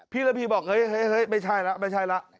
พี่ระพีบอกเฮ้ยไม่ใช่ละไม่ใช่ละ